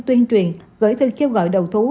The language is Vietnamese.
tuyên truyền gửi thư kêu gọi đầu thú